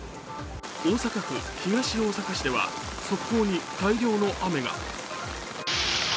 大阪府東大阪市では側溝に大量の雨が。